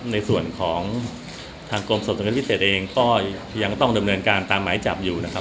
ในส่วนของทางกรมสอบส่วนพิเศษเองก็ยังต้องดำเนินการตามหมายจับอยู่นะครับ